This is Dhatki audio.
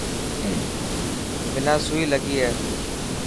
منا سوئي لگي هي.